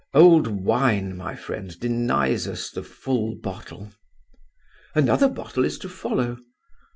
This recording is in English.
"Old wine, my friend, denies us the full bottle!" "Another bottle is to follow."